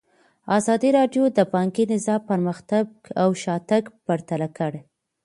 ازادي راډیو د بانکي نظام پرمختګ او شاتګ پرتله کړی.